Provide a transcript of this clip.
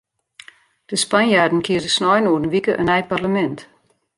De Spanjaarden kieze snein oer in wike in nij parlemint.